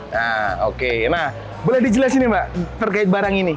nah oke nah boleh dijelasin nih mbak terkait barang ini